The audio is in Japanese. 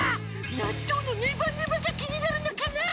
納豆のねばねばが気になるのかな。